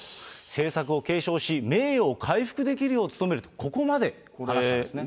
政策を継承し、名誉を回復できるよう努めると、ここまで話したんですね。